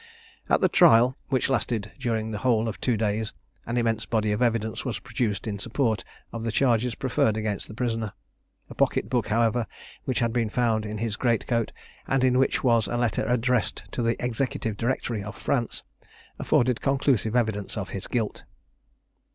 At the trial, which lasted during the whole of two days, an immense body of evidence was produced in support of the charges preferred against the prisoner. A pocket book, however, which had been found in his great coat, and in which was a letter addressed to the Executive Directory of France, afforded conclusive evidence of his guilt.